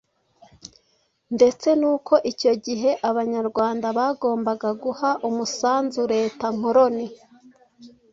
ndetse n’uko icyo gihe Abanyarwanda bagombaga guha umusanzu Leta nkoloni